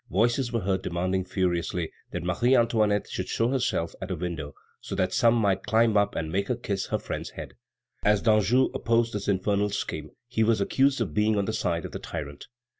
Voices were heard demanding furiously that Marie Antoinette should show herself at a window, so that some one might climb up and make her kiss her friend's head. As Danjou opposed this infernal scheme, he was accused of being on the side of the tyrant.